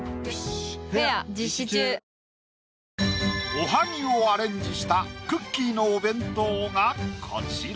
おはぎをアレンジしたくっきー！のお弁当がこちら。